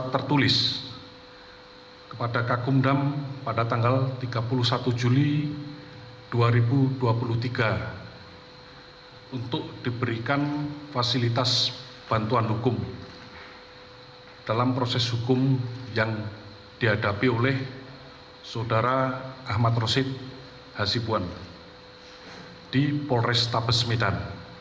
saya tertulis kepada kakumdam pada tanggal tiga puluh satu juli dua ribu dua puluh tiga untuk diberikan fasilitas bantuan hukum dalam proses hukum yang dihadapi oleh saudara ahmad roshid hazibwan di polrestabes medan